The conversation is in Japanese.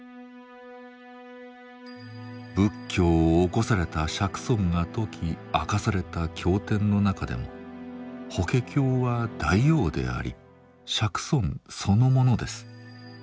仏教を興された釈尊が説き明かされた経典の中でも法華経は大王であり釈尊そのものです。